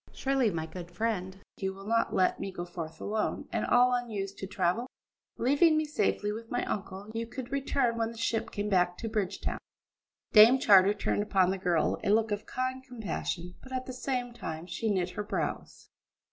Surely, my good friend, you will not let me go forth alone, and all unused to travel? Leaving me safely with my uncle, you could return when the ship came back to Bridgetown." Dame Charter turned upon the girl a look of kind compassion, but at the same time she knit her brows.